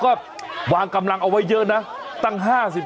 ขอบคุณครับขอบคุณครับ